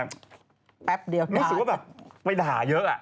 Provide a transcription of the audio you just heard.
นุษย์ว่าไปด่าเยอะ